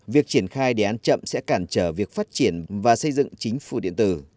việc triển khai đề án chậm sẽ cản trở việc phát triển và xây dựng chính phủ điện tử